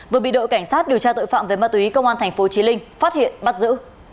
vừa bị đội cảnh sát điều tra tội phạm về ma túy công an tp chí linh phát hiện bắt giữ